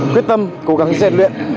quyết tâm cố gắng diệt luyện